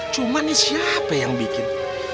cuma nih siapa yang bikin